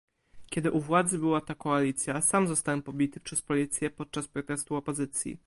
Kiedy u władzy była ta koalicja, sam zostałem pobity przez policję podczas protestu opozycji